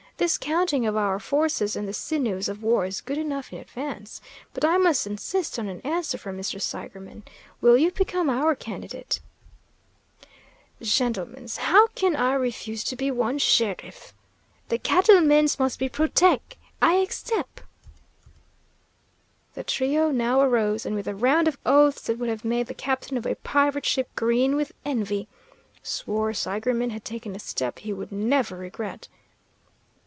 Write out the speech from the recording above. This counting of our forces and the sinews of war is good enough in advance; but I must insist on an answer from Mr. Seigerman. Will you become our candidate?" "Shentlemens, how can I refuse to be one sheriff? The cattle mens must be protec. I accep." The trio now arose, and with a round of oaths that would have made the captain of a pirate ship green with envy swore Seigerman had taken a step he would never regret.